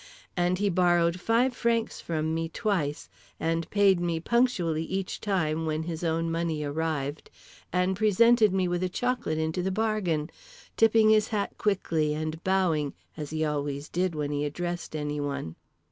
And he borrowed five francs from me twice, and paid me punctually each time when his own money arrived, and presented me with chocolate into the bargain, tipping his hat quickly and bowing (as he always did whenever he addressed anyone).